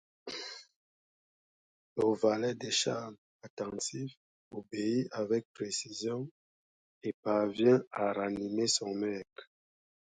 Le valet de chambre, attentif, obéit avec précision, et parvient à ranimer son maître.